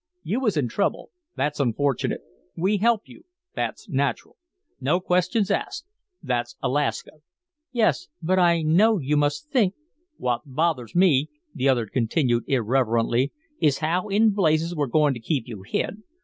You was in trouble that's unfortunate; we help you that's natural; no questions asked that's Alaska." "Yes but I know you must think " "What bothers me," the other continued irrelevantly, "is how in blazes we're goin' to keep you hid.